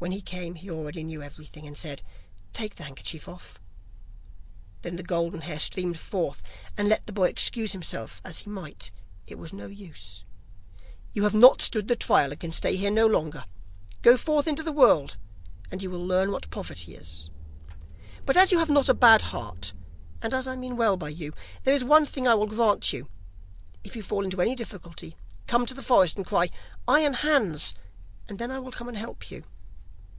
When he came he already knew everything, and said: 'Take the handkerchief off.' Then the golden hair streamed forth, and let the boy excuse himself as he might, it was of no use. 'You have not stood the trial and can stay here no longer. Go forth into the world, there you will learn what poverty is. But as you have not a bad heart, and as I mean well by you, there is one thing I will grant you; if you fall into any difficulty, come to the forest and cry: "Iron Hans," and then I will come and help you.